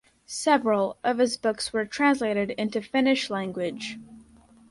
Several of his books were translated into Finnish language.